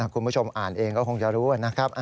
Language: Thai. คุณผู้ชมอ่านเองก็คงจะรู้นะครับ